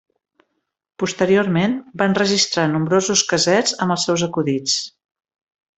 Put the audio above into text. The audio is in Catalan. Posteriorment va enregistrar nombrosos cassets amb els seus acudits.